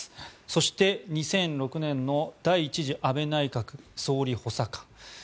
そして、２００６年の第１次安倍内閣、総理補佐官。